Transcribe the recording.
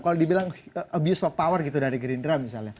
kalau dibilang abuse of power gitu dari gerindra misalnya